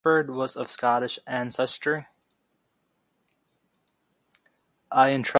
Numan very rarely performs any music from the album in concert.